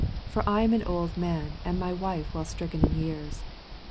for I am an old man, and my wife well stricken in years.